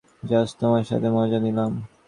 Just তোমার সাথে মজা নিলাম।